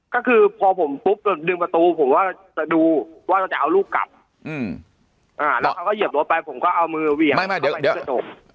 ก็คือพอผมปุ๊บดึงประตูผมว่าจะดูว่าจะเอาลูกกลับอ่าแล้วเขาก็เหยียบรถไปผมก็เอามือเวียงเข้าไปที่สะดวก